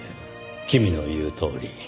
君の言うとおり。